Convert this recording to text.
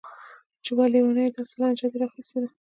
چې وه ليونيه دا څه لانجه دې راخيستې ده.